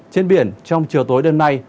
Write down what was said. trên biển trong chiều tối đêm nay